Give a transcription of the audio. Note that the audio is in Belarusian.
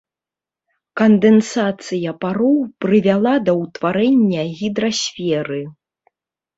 Кандэнсацыя пароў прывяла да ўтварэння гідрасферы.